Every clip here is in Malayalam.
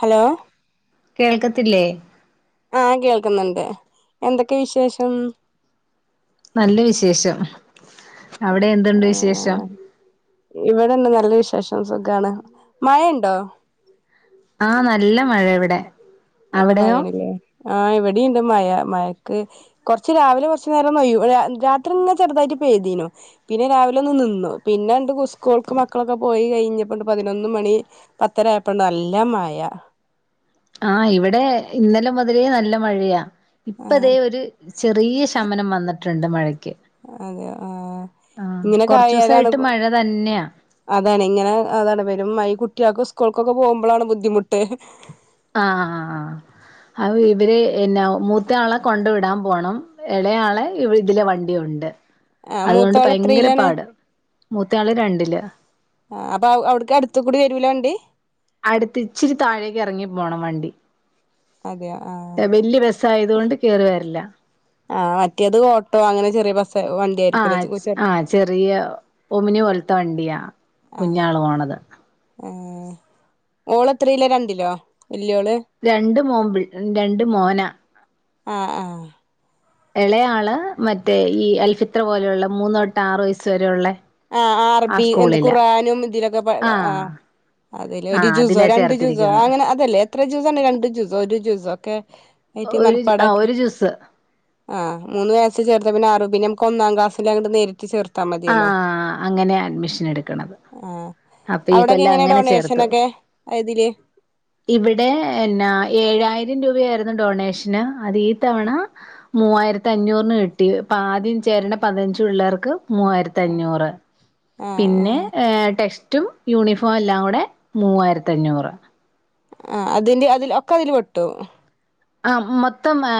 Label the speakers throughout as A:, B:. A: ഹലോ
B: കേൾക്കത്തില്ലേ
A: ആഹ് കേൾക്കുന്നുണ്ട് എന്തൊക്കെ വിശേഷം
B: നല്ല വിശേഷം അവിടെ എന്തുണ്ട് വിശേഷം
A: ആഹ് ശേഷം സുഖാണ് മഴ ഇണ്ടോ
B: ആഹ് നല്ല മഴ ഇവിടെ
A: നല്ല
B: അവിടെയോ
A: മഴേണ്ല്ലേ ആഹ് ഇവടീ ണ്ട് മഴ മഴ ക്ക് കുറച്ച് രാവിലെ കുറച്ചു നേരം പെയ്യും രാത്രി ഇങ്ങനെ ചെറുതായിട്ട് പെയ്തീനു പിന്നെ രാവിലെ ഒന്ന് നിന്നു പിന്നെ സ്കൂൾക്ക് മക്കളൊക്കെ പോയി കഴിഞ്ഞപ്പണ്ട് പതിനൊന്ന് മണി പത്തര ആയപ്പണ്ട് നല്ല മയ
B: ആഹ് ഇവിടെ ഇന്നലെ മുതലേ നല്ല മഴയാ ഇപ്പൊ
A: ആഹ്
B: ദേ ഒര് ചെറിയ ശമനം വന്നിട്ടുണ്ട് മഴയ്
A: അതെ യൊ ആ ഇങ്ങനെക്കെ ആയാലാണ്
B: കൊറച്ചൂസായിട്ട് മഴ തന്നെയാ
A: അതാണ് ഇങ്ങനെ അതാണ് പെരും മഴ ഈ കുട്ടിയോക്ക് സ്കൂൾക്കൊക്കെ പോകുമ്പളാണ് ബുദ്ധിമുട്ട്
B: ആ അ ഇവര് എന്നാ മൂത്ത ആളെ കൊണ്ട് വിടാൻ പോണം ഇളയാളെ ഇതിലെ വണ്ടി ഉണ്ട്
A: ഏ മൂത്തോള് എത്രീലാണ്
B: മൂത്തയാള് രണ്ടില്
A: ആഹ് അപ്പൊ അവിട്ക്ക് അടുത്ത് കൂടി വരൂലാ വണ്ടി
B: അടുത്ത് ഇച്ചിരി താഴേക്ക് എറങ്ങി പോണം വണ്ടി
A: അതെയോ ആ
B: വല്യ ബസായതുകൊണ്ട് കേറി വരില്ല
A: ആ മറ്റേത് ഓട്ടോ അങ്ങനെ ചെറിയ ബസ് വണ്ടി
B: ആ
A: ആയിരിക്കുംല്ലേ ചെറി
B: ആ ചെറിയ ഒമിനി പോലത്തെ വണ്ടിയാ കുഞ്ഞാള് പോണത്
A: ഉം ഓള് എത്രയില രണ്ടിലോ വല്യോള്
B: രണ്ട് മോമ്പിൾ രണ്ട് മോന
A: ആ ആ
B: ഇളയാള് മറ്റേ ഈ അൽഫിത്ര പോലെയുള്ള മൂന്നൊട്ട് ആറ് വയസ്സ് വരെയുള്ള
A: ആ
B: ആ
A: അറബി എന്താ
B: സ്കൂളിലാ
A: ഖുറആനും ഇതിലൊക്കെ ആ
B: ആഹ്
A: അതില് ഒരു
B: ആഹ്
A: ജൂസോ
B: അതിലാ
A: രണ്ട് ജൂസോ
B: ചേർത്തിരിക്കുന്നത്
A: അങ്ങനെ അതല്ലേ എത്ര ജൂസ് ആണ് രണ്ട് ജൂസോ ഒരു ജൂസോ ഒക്കെ അയ്റ്റ
B: ഒരു ആഹ്
A: മനപ്പാടാക്കി
B: ഒരു ജുസ്
A: ആ മൂന്ന് വയസ് ചേർത്ത പിന്നെ ആറ് പിന്നെ നമുക്ക് ഒന്നാം ക്‌ളാസില് അങ്ങട്ട് നേരിട്ട് ചേർ
B: ആ അങ്ങനെ അഡ്മിഷൻ എടുക്കണത്
A: ആഹ്
B: അപ്പൊ ഈ
A: അവിടൊക്കെ
B: കൊല്ലം
A: എങ്ങനെ
B: അങ്ങനെ ചേർത്തു
A: ഡൊണേഷനൊക്കെ ഇതില്
B: ഇവിടെ എന്നാ ഏഴ് ആയിരം രൂപയായിരുന്നു ഡൊണേഷന് അത് ഈ തവണ മൂവായിരത്തി അഞ്ഞൂറിന് കിട്ടി ആദ്യം ചേരണ പതിനഞ്ച് പിള്ളേർക്ക് മൂവായിരത്തി അഞ്ഞൂറ്
A: ആഹ്
B: പിന്നെ
A: ആഹ്
B: ടെസ് മറ്റും യൂണിഫോം എല്ലാം കൂടെ മൂവായിരത്തി അഞ്ഞൂറ്
A: ആ അതിന്റെ അതിൽ ഒക്കെ അതില് പെട്ടു
B: ആ മൊത്തം ആ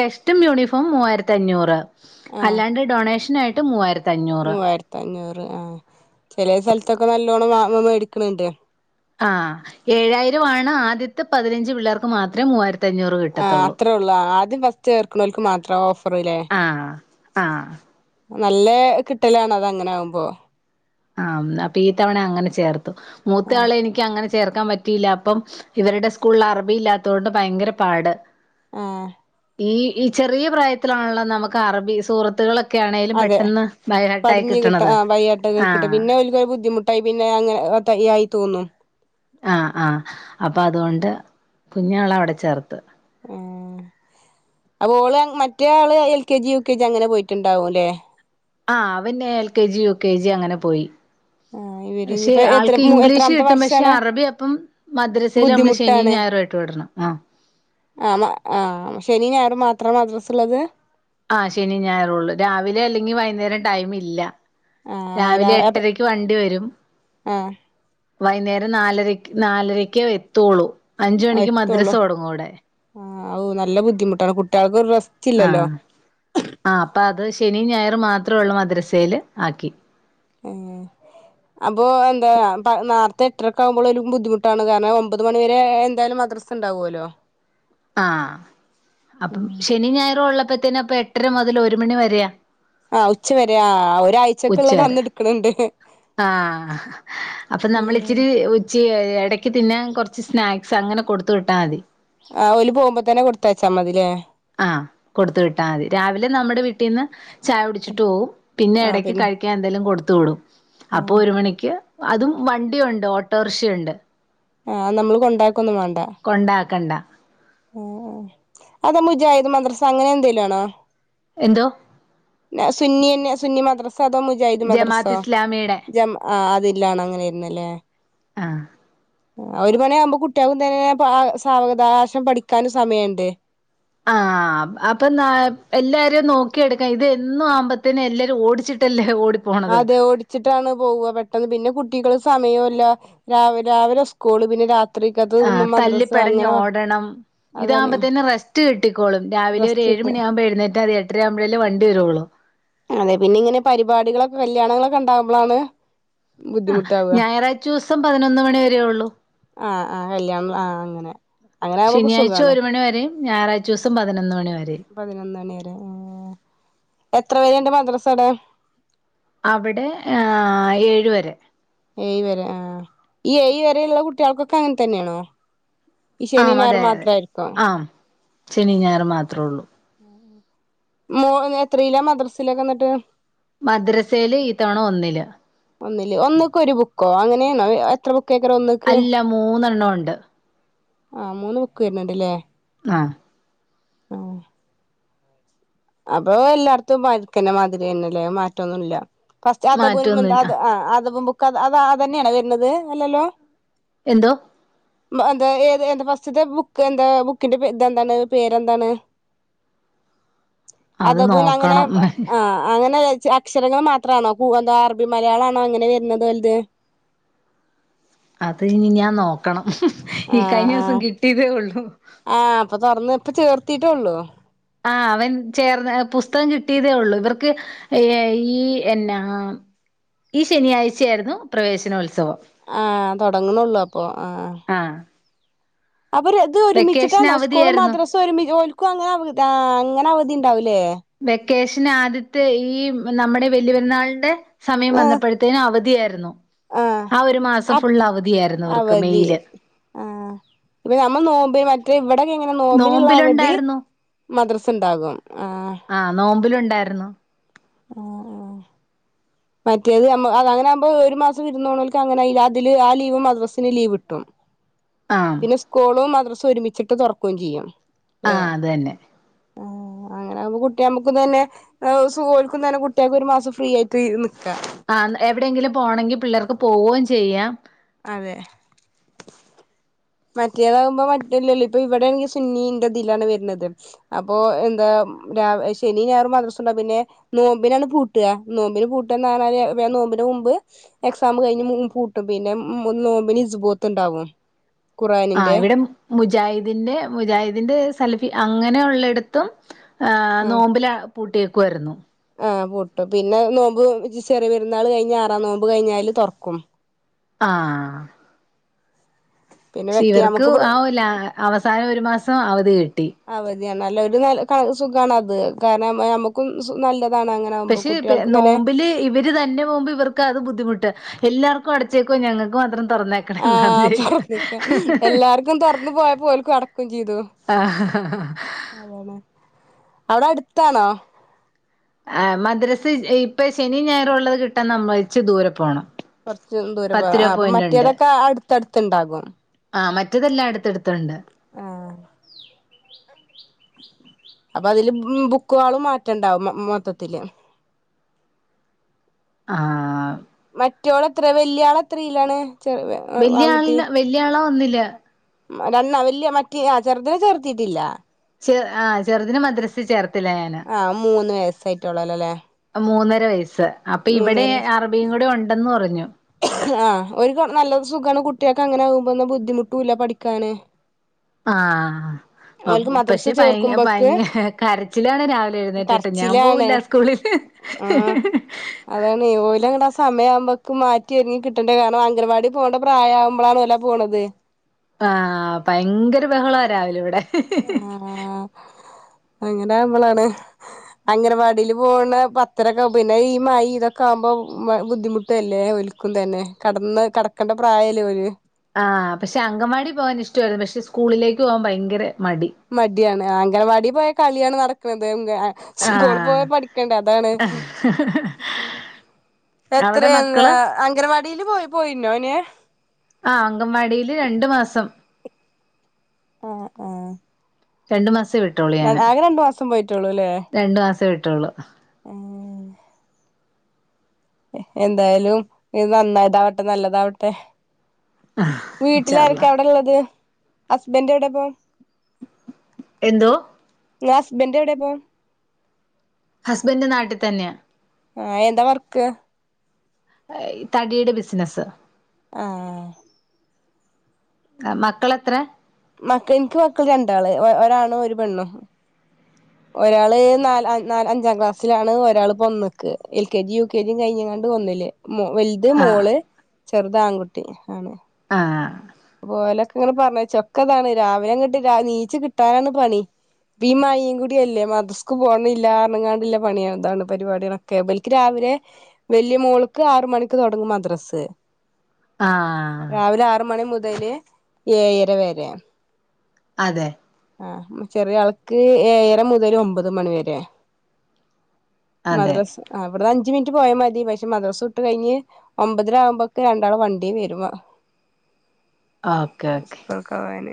B: ടെസ്റ്റും യൂണിഫോം മൂവായിരത്തി അഞ്ഞൂറ്
A: ആഹ്
B: അല്ലാണ്ട് ഡൊണേഷ് നായിട്ട് മൂവായിര
A: മൂവായിരത്തി അഞ്ഞൂറ് ആ ചെലേ സ്ഥലത്ത് ഇതൊക്കെ നല്ലോണം മേടിക്ക്ണ്ല്ലേ
B: ആ ഏഴായിരം ആണ് ആദ്യത്തെ പതിനഞ്ച് പിള്ളേർക്ക് മാത്രം മൂവായിര
A: ആ അത്രേ ഒള്ളു ആദ്യം ഫസ്റ്റ് ചേർക്കുന്നവർക്ക് മാത്രം ഓഫറ് ല്ലേ
B: ആ ആ
A: നല്ല കിട്ടലാണ് അത് അങ്ങനെ ആവുമ്പോ
B: ആ അപ്പൊ ഈ തവണ അങ്ങനെ ചേർത്ത് മൂത്ത
A: ആഹ്
B: ആളെ എനിക്ക് അങ്ങനെ ചേർക്കാൻ പറ്റിയില്ല അപ്പം ഇവരുടെ സ്കൂളിൽ അറബി ഇല്ലാത്തത് കൊണ്ട് ഭയങ്കര പാട്
A: ആ
B: ഈ ഈ ചെറിയ പ്രായത്തിലാണല്ല നമുക്ക് അറബി സുഹൃത്തുകളൊക്കെ ഒക്കെ ആണേലും
A: അതെ
B: പെട്ടെന്ന് ബൈഹേർട്ടായി
A: പടിഞ്ഞ് കിട്ട
B: കിട്ടണത്
A: ആഹ് വയ്യാട്ടൊക്കെ
B: ആഹ്
A: പിന്നെ ബു [inaudible] മുട്ടായി പിന്നെ അങ്ങനെ ആയി തോന്നു
B: ആ ആ അപ്പൊ അതുകൊണ്ട് കുഞ്ഞാളെ അവിടെ ചേർത്ത്
A: ഉ അപ്പൊ ഓള് മറ്റേയാള് L K G U K G അങ്ങനെ പോയിട്ടുണ്ടാവുംല്ലേ
B: ആ അവൻ പിന്നെ L K G U K G അങ്ങനെ പോയി
A: ആ ഇവര്
B: പക്ഷെ
A: ഇനിപ്പോ എത്ര
B: ആൾക്ക് ഇംഗ്ലീഷ്
A: എത്രാമത്തെ
B: കിട്ടും പക്ഷെ
A: വർഷാണ്
B: അറബി അപ്പം മദ്രസയിൽ നമ്മള് ശനിയും
A: ബുദ്ധിമുട്ടാണ്
B: ഞായറും ആയിട്ട് വിടണം ആഹ്
A: ആ ആ ശനി ഞയറ് മാത്രം മദ്രസ ഉള്ളത്
B: ആ ശനി ഞായറുള്ളു രാവിലെ അല്ലെങ്കിൽ വൈകുന്നേരം ടൈം ഇല്ല
A: ആഹ് രാ
B: രാവിലെ എട്ടരക്ക് വണ്ടി വരും
A: ആഹ്
B: വൈകുന്നേരം നാലരക്ക് നാലരക്കെ വരു എത്തൊളൂ അഞ്ചു മണിക്ക് മദ്രസ തുടങ്ങും അവിടെ
A: ആ ഓ നല്ല ബുദ്ധിമുട്ടാണ് കുട്ടികൾക്ക് ഒരു റെസ്റ്റ് ഒക്കെ
B: ആ ആ അപ്പൊ അത് ശനി ഞായർ മാത്രേ ഉള്ളോ മദ്രസയില് ആക്കി
A: ആ അപ്പൊ എന്താ നോരത്തെ എട്ടരക്കെ ആകുമ്പോൾ ഒരു ബുദ്ധിമുട്ടാണ് കാരണം ഒമ്പത് മണിവരെ എന്തായാലും മദ്രസ് ഉണ്ടാാവുമല്ലോ
B: ആ അപ്പം ശനി ഞായറും ഉള്ളപ്പ ത്തിപ്പ എട്ടര മുതൽ ഒരു മണി വരെയ
A: ആഹ് ഉച്ച വരെ ആ ഒരാഴ്ചക്കുള്ളത് അന്ന് എടുക്കിണിണ്ട്
B: ആഹ അപ്പൊ നമ്മൾ
A: ഉം
B: ഇച്ചിരി ഉച്ചി ഇടയ്ക്ക് പിന്നെ കുറച്ച് സ്നാക്സ് അങ്ങനെ കൊടുത്ത് വിട്ടാൽ മതി
A: ആ ഓല് പോകുമ്പോ തന്നെ കൊടുത്തയച്ചാൽ മതിലേ
B: ആ കൊടുത്ത വിട്ടാൽ മതി രാവിലെ നമ്മുടെ വീട്ടിൽന്ന് ചായ കുടിച്ചിട്ട് പോകും പിന്നെ ഇടക്ക് കഴിക്കാൻ എന്തേങ്കലും കൊടുത്ത തുടും [inaudible] അപ്പൊ
A: ആഹ്
B: ഒരു മണിക്ക് അതും വണ്ടിയുണ്ട് ഓട്ടോറിക്ഷയുണ്ട്
A: ആ നമ്മള് കൊണ്ടാക്ക വേണ്ട
B: കൊണ്ടാക്കണ്ട
A: അതെ മുജായിദ് ഈ മദ്റസ അങ്ങനെ എന്തേലും ആണോ
B: എന്തോ
A: ന സുന്നി എന്ന സുന്നി മദ്രസ സദാ മുജാഹിദ് മദ്രസോ
B: ജമാഅത്ത് ഇസ്ലാമിയുടെ
A: ജമ ആ അതില്ലാണ് അങ്ങനൊയിരുന്നല്ലേ
B: ആ
A: ഒരു മണിയാകുമ്പോ കുട്ടികളും തന്നെ സാവകാശം പഠിക്കാനും സമയുണ്ട്
B: ആഹ അപ്പൊന്നാ എല്ലാരും നോക്കിയെടുക്കാം ഇത് എന്നും ആവുമ്പോത്തേനും എല്ലാരും ഓടിച്ചിട്ടല്ലേ ഓടിപ്പോണത്
A: അതെ ഓടിച്ചിട്ടാണ് പോവ പെട്ടെന്ന് പിന്നെ കു- കുട്ടികൾ സമയോല്യാ രാവി രാവിലെ സ്കൂള് പിന്നെ രാത്രിക്കത്
B: ആ
A: മദ്രസ
B: തല്ലിപ്പടഞ്ഞു
A: അങ്ങനെ
B: ഓടണം
A: അതാണ്
B: ഇതാവുമ്പോ തന്നെ റസ്റ്റ് കിട്ടിക്കോളും രാവിലെ ഒരു
A: റസ്റ്റ്
B: ഏഴ്
A: ഇല്ല
B: മണിയാകുമ്പോ എഴുന്നേറ്റാൽ മതി എട്ടര ആവുമ്പോഴേല്ലേ വണ്ടി വരളൂ
A: അതെ പിന്നെ ഇങ്ങനെ പരിപാടികളൊക്കെ കല്യാ കല്യാണങ്ങളൊക്കെ ഇണ്ടാകുമ്പോളാണ്
B: ആ ഞായറാഴ്ചു ദിവസം പതിനൊന്ന് മണിവരേ ഒള്ളൂ
A: ആഹ ആഹ കല്യാണം ആഹ് അങ്ങനെ അങ്ങനെ ആകുമ്പോൾ
B: ശനിയാഴ്ച
A: സുഖാണ്
B: ഒരു മണി വരെയും ഞായറാഴ്ച ദിവസം പതിനൊന്ന് മണി വരെയും
A: പതിനൊന്ന് മണി വരെ ആ എത്ര വരെയുണ്ട് മദ്രാസ അവിടെ
B: അവിടെ ആ ഏഴ് വരെ
A: ഏഴ് വരെ ആ ഈ ഏഴ് വരയുള്ള കുട്ടികൾക്കൊക്കെ അങ്ങൻ തന്നെണോ ഇ ശനി ഞായറും മാത്രം ആയിരിക്കൊ
B: ശനിയും ഞായറും മാത്രള്ളൂ
A: മോന് എത്രീലാണ് മദ്രസിലൊക്കെന്നട്ട്
B: മദ്റസയില് ഈത്തവണ ഒന്നില്
A: കോ അങ്ങനേണോ എത്ര ബുക്ക്‌
B: അല്ല മൂന്നെണ്ണം ഒണ്ട്
A: ആഹ മൂന്ന് ബുക്ക് വരുന്നുണ്ട്ല്ലേ
B: ആഹ്
A: ആഹ് അപ്പൊ എല്ലാർത്തും പയെക്ക്‌ മാതിരി തന്നെല്ലേ മാറ്റൊന്നുല്ല ഫസ്റ്റ് അധബുൻ മ് എന്താ
B: മാറ്റൊന്നുല്ല ആഹ്
A: ആഅ അധബുൻ ബുക്ക്‌ ക്കഅത അതന്നേണോ വര്ന്നത് അല്ലല്ലോ
B: എന്തോ
A: മ്എന്താ ഏത് എന്താ ഫസ്റ്റ്ത്തെ ബുക്ക് എന്താ ബുക്കിന്റെ ഇതെന്താണ് പേരെന്താണ്
B: അത്
A: അധബുൻ അങ്ങനെ
B: നോക്കണം
A: ആ അങ്ങനെ അക്ഷരങ്ങൾ മാത്രാണോ കൂഅറബി മലയാളാണോ എങ്ങനെ വരുന്നത് ഓൽത്
B: അത് ഇനി ഞാൻ നോക്കണം ഈ
A: ആ
B: കഴിഞ്ഞ
A: ആ
B: വസം കിട്ടിയതേ ഉള്ളൂ
A: ആ അപ്പൊ തുറന്ന് ഇപ്പ ചേർത്തിട്ടൊ ഒള്ളോ
B: ആ അവൻ ചേർന്ന് പുസ്തകം കിട്ടിയതേ ഉള്ളൂ ഇവർക്ക് ഈ എന്നാ ഈ ശനിയാഴ്ചയായിരുന്നു പ്രവേശനോത്സവ
A: ആഹ് തൊടുങ്ങുന്നൊള്ളൂ അപ്പൊ ആഹ
B: ആഹ്
A: അപ്പം ഇത്
B: വെക്കേഷന്
A: ഒരുമിച്ചിട്ടാണോ സ്കൂളും
B: അവധിയായിരുന്നു
A: മദ്റസും ഒരുമിച്ച് ഓൽ ൽക്കും അങ്ങനെ അവ് താ അങ്ങനെ അവധി ഇണ്ടാവു ല്ലേ
B: വെക്കേഷന് ആദ്യത്തെ ഈ നമ്മുടെ വെല്ല്യ പെരുന്നാളിന്റെ സമയം ബന്നപ്പെഴ്ത്തേന് അവധിയായി രുന്നു
A: ആഹ് [unintelligible]
B: ഇവർക്ക്
A: അവധി
B: മെയില്
A: ആ [unintelligible] ന്നമ്മള് നോമ്പ്ന് മറ്റേ ഇവ്ടൊക്കെ എങ്ങനെ ന്നോമ്പ്ന്ള്ള അവധി മദർസ് ഇണ്ടാകും
B: ആ ന്നോമ്പിലുണ്ട് ണ്ടാര്ന്നു
A: ആഹ് ആഹ് മറ്റേത് അമ്മോ [unintelligible] അങ്ങനെ ആകുമ്പോ ഒരു മാസം വിര്ന്നോണോൽക്ക് അങ്ങനെ [unintelligible] അതില് ആ ലീവ് മദ്രസ് ല് ലീവ് കിട്ടും
B: ആഹ്
A: പിന്നെ സ്കോളും മദ്റസ് [unintelligible] ഒരുമിച്ചിട്ട് തൊറ്ക്കും ചെയ്യും
B: ആ അതന്നെ
A: ആ അങ്ങനാകുമ്പോ കുട്ടി അമ്മക്കും തന്നെ സു ഓൽക്കും തന്നെ കുട്ടിൾക്ക് ഒരു മാസം ഫ്രീ ആയിട്ട് ന്നിക്കാം
B: ആ എവിടെയെങ്കിലും പോണങ്കിൽ പിള്ളേർക്ക് പോവും ചെയ്യാം
A: അതെ മറ്റേതാകുമ്പോ മറ്റല്ല ല്ല ഇത് ഇവിടെണെങ്കി സുന്നിന്റെതിലാണ് വെര്ന്നത് അപ്പൊ എന്താ രാ ശനി ഞായറും മദ്രസ് ഇണ്ടാവും പിന്നെ നോമ്പിനാണ് പൂട്ട്അ നോമ്പിന് പൂട്ട്അ [unintelligible] നോമ്പിന് മുമ്പ് എക്സാമ് കഴിഞ്ഞ് പൂട്ടും പിന്നെ ന്നോമ്പിന് ഇസ്ബോത്ത് ഇണ്ടാവും
B: ആ ഇവിടെ മുജാഹിദിന്റെ മുജാഹിദിന്റെ സലഫി അങ്ങനെ ഉള്ളിടത്തും ആ ന്നോമ്പിലാ പൂട്ടി കരുന്നു
A: ആ പൂട്ടു പിന്നെ ന്നോമ്പ് ചെറിയ പെരുന്നാൾ കഴിഞ്ഞ് ആറാ ന്നോമ്പ് കഴിഞ്ഞാല് തൊർക്കും
B: ആ
A: പിന്നെ
B: ഷി
A: വെക്ക
B: വെർക്ക്
A: നമുക്ക് ഇവിടെ
B: അവൂല്ല അവസാനം വരു മാസം അവധി കിട്
A: അവര് ര്യം നല്ലോരു നാ കാ സുഖാണത് കാരണം അമുക്കും മ് സു നല്ലത്
B: പക്ഷെ പെ ന്നോമ്പില് ഇവര് തന്നെ പോവുമ്പ ഇവർക്ക് അത് ബുദ്ധിമുട്ടാ എല്ലാർക്ക് കൊട്ച്ചേക്കു ഞങ്ങൾക്ക് മത്രം
A: ആ തൊർന്ന്ക്ക എല്ലാർക്കും തൊർന്ന് പോയപ്പം ഓൽക്ക് അടക്കും ചെയ്തു അവ്ടെ അട്ത്താണോ
B: ആ മദ്രസ് ഇപ്പെ ശനി ഞായറും ഉള്ളത് കിട്ടാൻ നമ്മൾ ഇച്ച് ദൂര പോണം
A: കൊർച്ച് ദൂരെ പോ
B: പത്ത്
A: ആ
B: രൂപ
A: അപ്പൊ
B: പോയിന്റ് ഉണ്ട്
A: മറ്റേതൊക്കെ അട് തട്ത്ത്ണ്ടാകും
B: ആ മറ്റെതെല്ലാം അട്ത്തെട്ത്തുണ്ട്
A: ആ അപ്പ അതില് ബ് മ് ബുക്കുകളും മാറ്റണ്ടാവും മൊ മൊത്തത്തില്
B: ആ
A: മറ്റോൾ എത്രേ വെല്ല്യാള് എത്രേലാണ്
B: വെല്ല്യ ആളിൻ്റ വെല്ല്യാളാ ഒന്നിൽ ല്ല്യാ
A: മൂ രാന് വല്ല്യ മറ്റി ആ ചെർതിനെ ചേർത്തിട്ടില്ല
B: ചെ ആ ചെർതിനെ മദ്രസ് ചേർത്
A: ആ മൂന്ന് വയസായിട്ടോള്ളല്ലോല്ലേ
B: ണ്ട് വയസ് സ് അപ്പം ഇവിടെ അറബീ കൂടെ ഒണ്ടെന്ന് പറഞ്ഞു
A: ആ ഒര്ക്ക്‌ നല്ല സുഖാണ് കുട്ടികക്കങ്ങനെ ആകുമ്പോന്ന ബുദ്ധിമുട്ടുല്ല പഠിക്കാന്
B: ആ
A: ഓൽക്ക് മദ്രസ
B: പക്ഷെ ഭയ
A: ചേർക്കുമ്പോക്ക്
B: ഭയങ്ക കരച്ചിലാണ് രാവിലെ എഴുന്നേറ്റ്ട്ട് ഞാൻ
A: കരച്ചിലാണ്
B: പോവൂല്ല സ്കൂളില്
A: സമയ ആവുമ്പേക്കും മാ റ്റി എനി കിട്ടേണ്ടേ കാരണം അംഗൻവാടി പോവണ്ട പ്രായവുമ്പോളാണ് അല്ലെ പോണത്
B: ആ ഭയങ്കര ബഹള രാവിലെ ഇവിടെ
A: ആ അങ്ങനെ ആകുമ്പോളാണ് അംഗനവാടില് പോണെ പത്തരൊക്കെആവും പിന്നെ ഈ മയേം ഇതൊക്കെ ആകുമ്പോ ബുദ്ധിമുട്ടല്ലേ ഓൽക്കും തന്നെ കടന്ന് കടക്കേണ്ട പ്രായല്ലേ ഓല്
B: ആ പക്ഷെ അഗംവാടി പോവാൻ ഇഷ്ട്ടാരുന്നു പക്ഷെ സ്കൂളിലേക്ക് പോവാൻ ഭയങ്കെരെ
A: മടിയാണ് അ ഗനവാടി പോയ കളിയാണ് നടക്കുണത് സ്കൂള്
B: ആഹ്
A: പോയാ പഠിക്കണ്ടേ അതാണ് എത്ര
B: അവിടെ
A: എന്താ
B: മക്കള്
A: അങ്കനവാ ടില് പോയി പോയിന്നോന്
B: ആ അങ്കവാടില് രണ്ടു മാസം
A: ആ ആ
B: രണ്ടു മാസ
A: ആകെ രണ്ടു മാസം പോയിട്ടുള്ളുല്ലേ
B: റ്റകള്
A: ഏ എന്തായാലും നന്നായിട്ടാവട്ടെ നല്ലതാവട്ടെ
B: ഇൻഷാ അള്ളാ
A: വീട്ടിലാരൊക്കെ അവിടെള്ളത് ഹസ്ബെൻഡ് എവിടെപ്പോം
B: എന്തോ
A: ആ ഹസ്ബെന്റ് എവിടെയാപ്പോ
B: ഹസ്ബെൻഡ് നാട്ടിൽ തന്നെയാ
A: ആ എന്താ വർക്ക്
B: തടിയുടെ ബിസിനസ്
A: ആ
B: ആ മക്കളെത്ര
A: മക്ക നിക്ക് മക്കൾ രണ്ടാള് ഒരാണും ഒരു പെണ്ണും ഒരാള് നാല നാല അഞ്ചാം ക്ലാസ്സിലാണ് ഒരാള് പ്പ ഒന്ന്ക്ക് L K G U K ജിയും കഴിഞ്ങ്കാണ്ട് ഒന്നില് മോ വൽത്
B: ആഹ്
A: മോള് ചെറുതാങ്കുട്ടി ആണ്
B: ആ
A: ഓലൊക്കെ ഇങ്ങനെ പറഞ്ഞയച്ചോ ഒക്കെതാണ് രാവിലെ അങ്ങിട്ട് രാ നീച്ച് കിട്ടാനാണ് പണി വീ മയയും കൂടിയല്ലേ മദ്രസ്ക്ക് പോവുന്നില്ലപറഞ്ഞങ്ങാണ്ടുള്ള പണിയ അതാണ് പരിപാടികളൊക്കെ വല്ക്ക് രാവിലെ വലിയ മോളക്ക് ആറ് മണിക്ക് തൊടങ്ങും മദ്രസ്
B: ആഹ്
A: രാവിലെ ആറ് മണി മു മുല് ഏഴര വരെ
B: അതെ
A: ആഹ ചെറിയ ആൾക്ക് ഏയര മുതൽ ഒമ്പത് മണിവരെയാ
B: അതെ
A: മദ്രസ് അഞ് അഞ്ച് മിനിറ്റ് പോയാൽ മതി പക്ഷെ മദ്രസൊട്ട് കഴിഞ്ഞ് ഒമ്പതര ആകുമ്പക്കെ രണ്ടാള് വണ്ടി വരുവ
B: ഓക്കെ ഓക്കെ
A: ക്കൾക്കാവന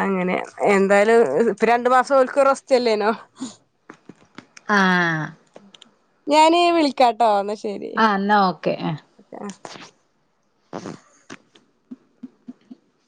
A: അങ്ങനെ എന്തായാലും ഇപ്പ രണ്ടു മാസം ൽിക്കറസ്റ്റല്ലേനോ
B: ആഹ
A: ഞൻീ വിളിക്കാട്ടോ ശരി
B: ആഹ
A: ആ
B: എന്നാ ഓക്കെ